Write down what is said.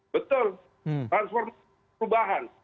betul betul transformasi perubahan